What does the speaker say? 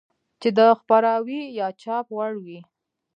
چې د خپراوي يا چاپ وړ وي.